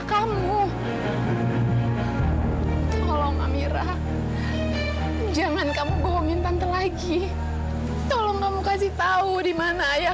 sampai jumpa di video selanjutnya